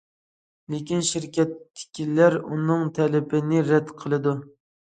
لېكىن، شىركەتتىكىلەر ئۇنىڭ تەلىپىنى رەت قىلىدۇ.